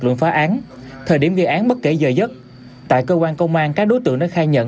luận phá án thời điểm gây án bất kể giờ giấc tại cơ quan công an các đối tượng đã khai nhận